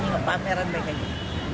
tidak ada pameran